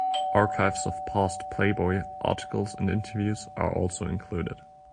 Archives of past "Playboy" articles and interviews are also included.